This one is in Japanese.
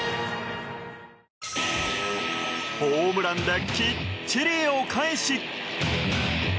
ホームランできっちりお返し。